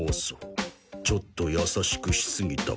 ちょっと優しくしすぎたか？